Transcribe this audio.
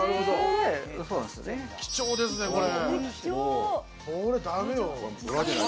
貴重ですね、これ。